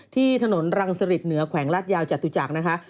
ที่ถนนรังสริตเหนือแขวงลาดยาวจตุจักรนะคะ